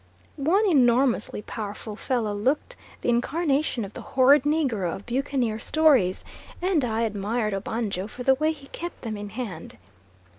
One enormously powerful fellow looked the incarnation of the horrid negro of buccaneer stories, and I admired Obanjo for the way he kept them in hand.